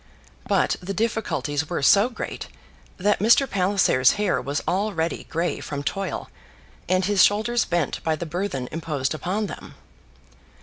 But the difficulties were so great that Mr. Palliser's hair was already grey from toil, and his shoulders bent by the burthen imposed upon them.